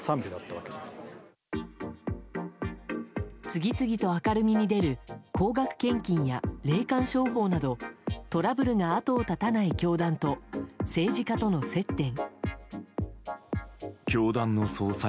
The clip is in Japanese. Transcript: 次々と明るみに出る高額献金や霊感商法などトラブルが後を絶たない教団と政治家との接点。